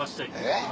えっ？